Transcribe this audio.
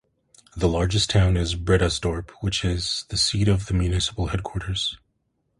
The largest town is Bredasdorp, which is the seat of the municipal headquarters.